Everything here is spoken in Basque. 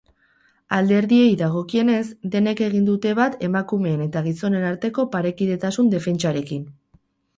Alderdiei dagokienez, denek egin dute bat emakumeen eta gizonen arteko parekidetasun defentsarekin.